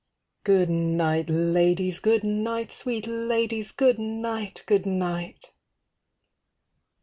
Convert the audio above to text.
Good night, ladies, good night, sweet ladies, good night, good night.